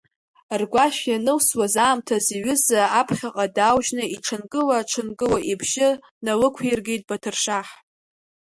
Ргәашә ианылсуаз аамҭаз иҩыза аԥхьаҟа дааужьны иҽынкыла-ҽынкыло ибжьы налықәиргеит Баҭыршаҳ.